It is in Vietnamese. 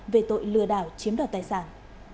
về tội lừa đảo chiếm đoạt tài sản